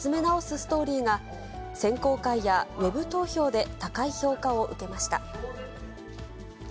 ストーリーが、選考会やウェブ投票で高い評価を受けました。